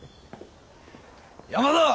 山田！